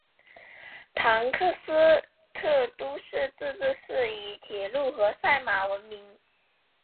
唐克斯特都市自治市以铁路和赛马闻名。